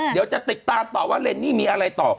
เดี๋ยวจะติดตามต่อว่าเรนนี่มีอะไรต่อ